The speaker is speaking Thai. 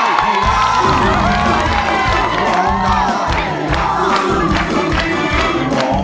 กินเวลาไม่มี